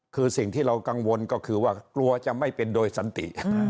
คือสิ่งที่เรากังวลก็คือว่ากลัวจะไม่เป็นโดยสันติ